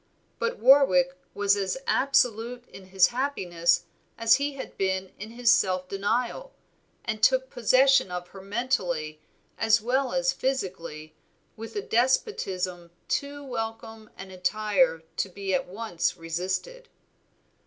But Warwick was as absolute in his happiness as he had been in his self denial, and took possession of her mentally as well as physically with a despotism too welcome and entire to be at once resisted.